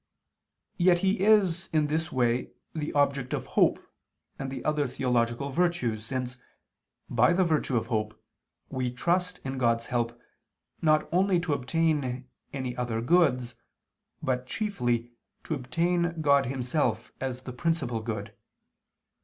Yet He is, in this way, the object of hope and the other theological virtues, since, by the virtue of hope, we trust in God's help, not only to obtain any other goods, but, chiefly, to obtain God Himself, as the principal good.